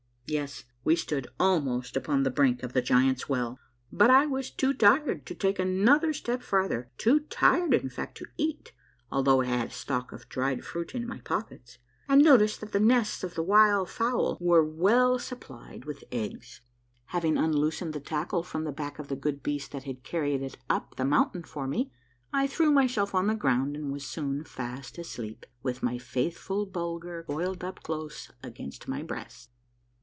Yes, we stood almost upon the brink of the Giants' Well, but I was too tired to take another step farther, too tired, in fact, to eat, although I had a stock of dried fruit in my pockets, and noticed that the nests of the wild fowl were well supplied with eggs. Having unloosened the tackle from the back of the good beast that had carried it up the mountain for me, I threw myself on the ground and was soon fast asleep, with my faithful Bulger coiled up close against my breast.